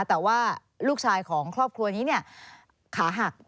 แต่ว่าลูกชายของครอบครัวนี้ขาหัก